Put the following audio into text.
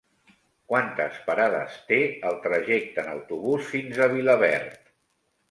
Quantes parades té el trajecte en autobús fins a Vilaverd?